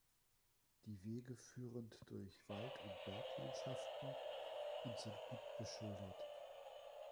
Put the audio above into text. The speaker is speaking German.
Die Wege führend durch Wald- und Berglandschaften und sind gut beschildert.